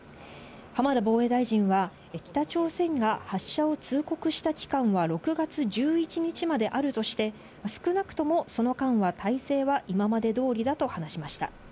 浜田防衛大臣は北朝鮮が発射を通告した期間は６月１１日まであるとして、少なくとも、その間は体制は今まで通りだと話しました。